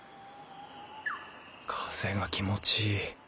風が気持ちいい。